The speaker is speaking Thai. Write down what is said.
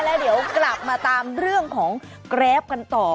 แล้วเดี๋ยวกลับมาตามเรื่องของแกรปกันต่อ